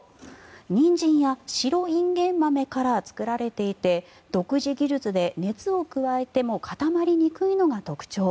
ニンジンや白インゲン豆から作られていて独自技術で熱を加えても固まりにくいのが特徴。